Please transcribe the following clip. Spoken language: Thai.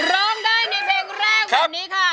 ร้องได้นี่เพลงแรกวันนี้ค่ะ